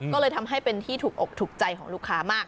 ก็เลยทำให้เป็นที่ถูกอกถูกใจของลูกค้ามาก